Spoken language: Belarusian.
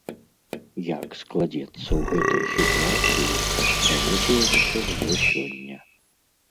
Як складзецца ў гэтай сітуацыі, даведаемся ўжо сёння.